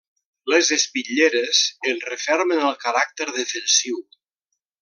Les espitlleres en refermen el caràcter defensiu.